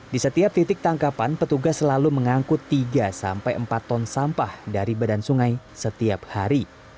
di setiap titik tangkapan petugas selalu mengangkut tiga sampai empat ton sampah dari badan sungai setiap hari